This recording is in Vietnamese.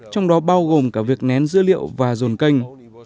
trong đó bao gồm cả việc nén dữ liệu và dồn kênh